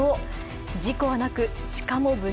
事故はなく鹿も無事。